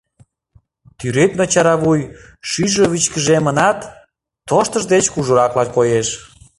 Тӱредме чара вуй, шӱйжӧ вичкыжемынат, тоштыж деч кужуракла коеш.